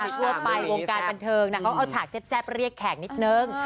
ทั่วไปวงการบันเทิงเขาเอาฉากแซ่บเรียกแขกนิดนึง